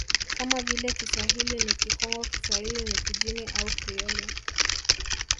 kama vile Kiswahili ni Kikongo Kiswahili ni Pijini au Krioli